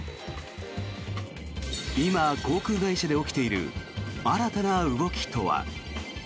今、航空会社で起きている新たな動きとは。